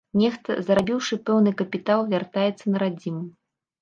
Нехта, зарабіўшы пэўны капітал, вяртаецца на радзіму.